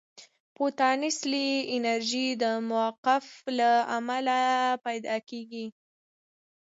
پوتانسیلي انرژي د موقف له امله پیدا کېږي.